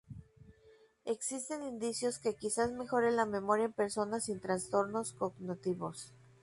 Existen indicios que quizás mejore la memoria en personas sin trastornos cognitivos.